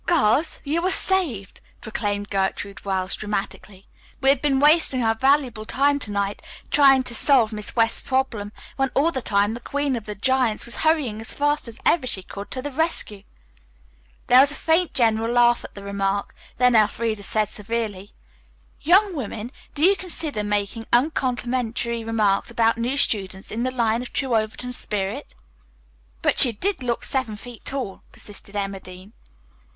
"Girls, you are saved," proclaimed Gertrude Wells dramatically. "We have been wasting our valuable time to night trying to solve Miss West's problem, while all the time the queen of the giants was hurrying as fast as ever she could to the rescue." There was a faint general laugh at the remark, then Elfreda said severely, "Young women, do you consider making uncomplimentary remarks about new students in the line of true Overton spirit?" "But she did look seven feet tall," persisted Emma Dean.